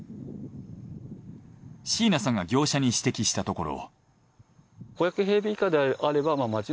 椎名さんが業者に指摘したところ。